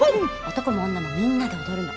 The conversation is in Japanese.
男も女もみんなで踊るの。